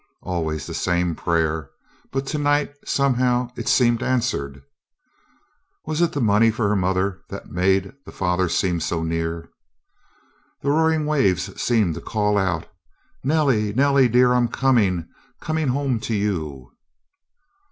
Always the same prayer, but to night, somehow, it seemed answered! Was it the money for mother that made the father seem so near? The roaring waves seemed to call out: "Nellie Nellie dear! I'm coming coming home to you!"